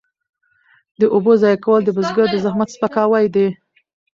د اوبو ضایع کول د بزګر د زحمت سپکاوی دی.